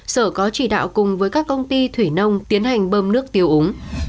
sở có chỉ đạo cùng với các công ty thủy nông tiến hành bơm nước tiêu úng